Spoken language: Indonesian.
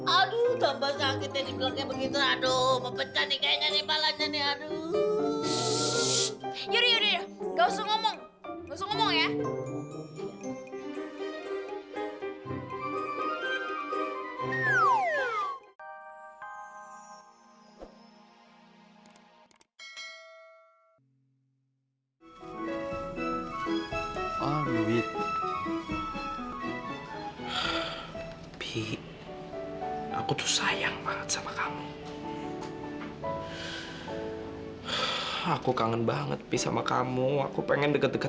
aduh tambah sakitnya di blognya begitu aduh mau pecah nih kayaknya nih palanya nih aduh